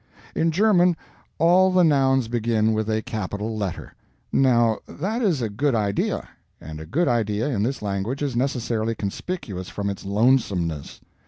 In German, all the Nouns begin with a capital letter. Now that is a good idea; and a good idea, in this language, is necessarily conspicuous from its lonesomeness.